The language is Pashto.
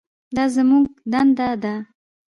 دا زموږ دنده ده.